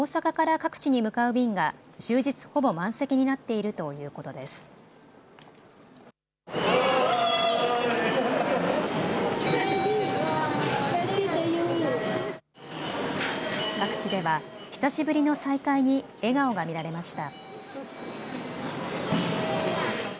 各地では久しぶりの再会に笑顔が見られました。